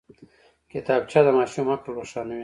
کتابچه د ماشوم عقل روښانوي